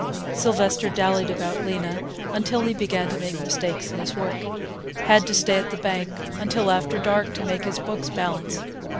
Sylvester dallied about Lena until he began to make mistakes in his work; had to stay at the bank until after dark to make his books balance.